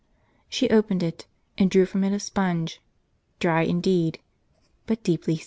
She opened it, and drew from it a sponge, dry indeed, but deeply stained.